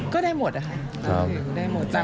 ก็ได้หมดค่ะ